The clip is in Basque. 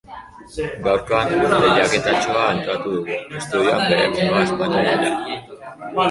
Gaurkoan lehiaketatxoa antolatu dugu estudioan bere menua asmatu nahian.